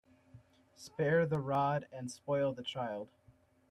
Spare the rod and spoil the child.